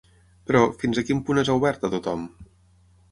Però, fins a quin punt és oberta a tothom?